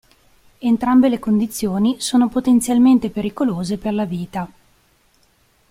Entrambe le condizioni sono potenzialmente pericolose per la vita.